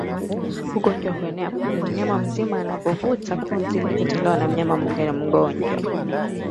ugonjwa huenea pale mnyama mzima anapovuta pumzi iliyotolewa na mnyama mgonjwa